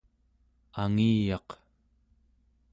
angiyaq